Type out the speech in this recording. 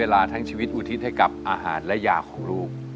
และยาของลูก